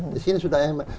di sini sudah enak